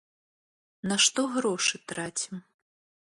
На што грошы трацім?